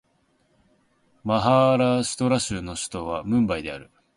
マハーラーシュトラ州の州都はムンバイである